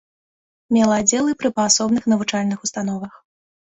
Мела аддзелы пры паасобных навучальных установах.